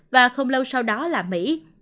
và không lâu sau đó là mỹ